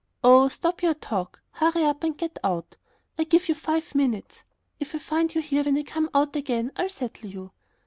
"Oh, stop your talk. Hurry up and get out! I give you five minutes. If I find you here when I come out again I'll settle you."